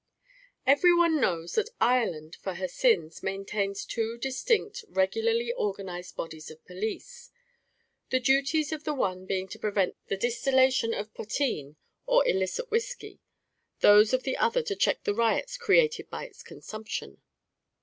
Every one knows that Ireland, for her sins, maintains two distinct, regularly organised bodies of police; the duties of the one being to prevent the distillation of potheen or illicit whiskey, those of the other to check the riots created by its consumption.